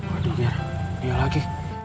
waduh dia lagi